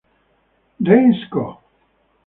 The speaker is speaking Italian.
Dance Co.